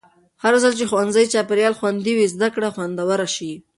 هرځل چې ښوونیز چاپېریال خوندي وي، زده کړه خوندوره شي.